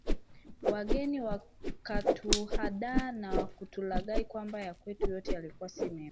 Wageni wakatuhadaa na kutulaghai kwamba ya kwetu yote yalikuwa si mema